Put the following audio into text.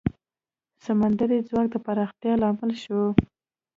سمندري ځواک د پراختیا لامل شو.